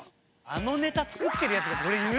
あのネタ作ってるヤツがこれ言う？